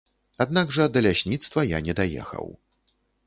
Аднак жа да лясніцтва я не даехаў.